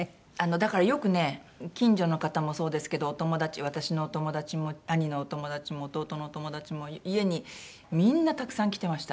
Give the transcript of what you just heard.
だからよくね近所の方もそうですけど私のお友達も兄のお友達も弟のお友達も家にみんなたくさん来てました。